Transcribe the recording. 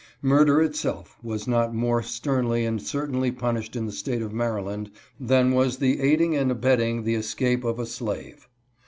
Murder itself was not more sternly and certainly punished in the State of Maryland than was the aiding .and abetting the escape of a slave.